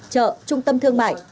chợ trung tâm thương mại